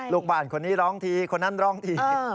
ลูกบ้านคนนี้ร้องทีคนนั้นร้องที